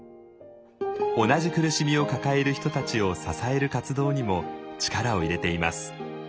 同じ苦しみを抱える人たちを支える活動にも力を入れています。